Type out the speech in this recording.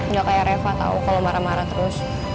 gak kayak reva tau kalo marah marah terus